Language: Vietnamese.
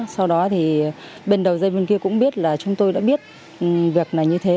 sau đó thì bên đầu dây bên kia cũng biết là chúng tôi đã biết việc này như thế